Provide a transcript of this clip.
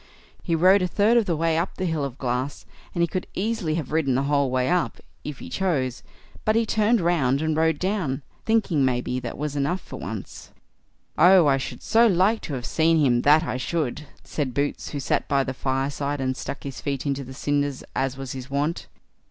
He rode a third of the way up the hill of glass, and he could easily have ridden the whole way up, if he chose; but he turned round and rode down, thinking, maybe, that was enough for once." "Oh! I should so like to have seen him, that I should", said Boots, who sat by the fireside, and stuck his feet into the cinders, as was his wont.